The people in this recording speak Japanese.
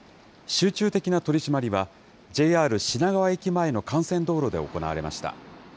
集中的な取締りは、ＪＲ品川駅前の幹線道路で行われました。